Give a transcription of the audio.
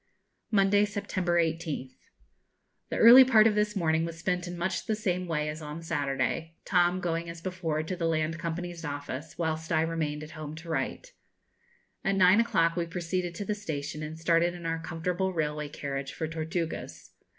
Monday, September 18th. The early part of this morning was spent in much the same way as on Saturday, Tom going as before to the Land Company's Office, whilst I remained at home to write. At nine o'clock we proceeded to the station, and started in our comfortable railway carriage for Tortugas.